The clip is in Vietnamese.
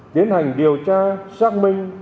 tiến hành điều tra xác minh